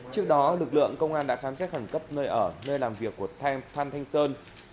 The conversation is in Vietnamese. trước đó lực lượng công an đã khám xét hẳn cấp nơi ở nơi làm việc của phan thanh sơn